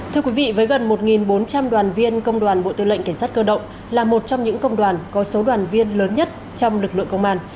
thưa quý vị với gần một bốn trăm linh đoàn viên công đoàn bộ tư lệnh cảnh sát cơ động là một trong những công đoàn có số đoàn viên lớn nhất trong lực lượng công an